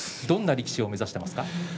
どんな力士を目指してますか？